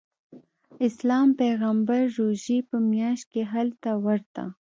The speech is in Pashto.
اسلام پیغمبر روژې په میاشت کې هلته ورته.